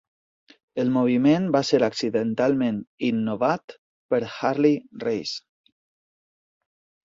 El moviment va ser accidentalment innovat per Harley Race.